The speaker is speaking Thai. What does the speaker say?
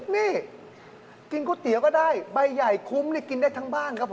นี่กินก๋วยเตี๋ยวก็ได้ใบใหญ่คุ้มนี่กินได้ทั้งบ้านครับผม